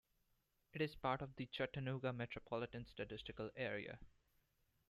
It is part of the Chattanooga metropolitan statistical area.